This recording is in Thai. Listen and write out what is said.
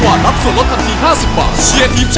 เปิดดูกันส่วนสดได้ที่